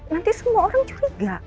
nanti semua orang curiga